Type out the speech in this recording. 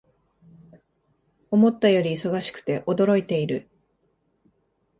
思ったより忙しくて驚いている